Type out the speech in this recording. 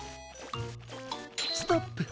ストップ！